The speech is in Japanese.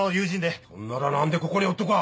そんなら何でここにおっとか！？